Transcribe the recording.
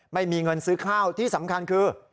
ไม่มีเงินซื้อข้าวที่สำคัญคือ